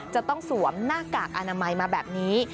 จะต้องสวมหน้ากากอนามัยมาแบบนี้